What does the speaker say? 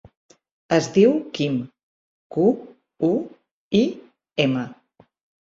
Es diu Quim: cu, u, i, ema.